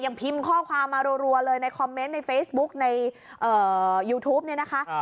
พิมพ์ข้อความมารัวเลยในคอมเมนต์ในเฟซบุ๊กในยูทูปเนี่ยนะคะ